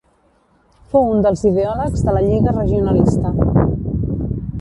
Fou un dels ideòlegs de la Lliga Regionalista.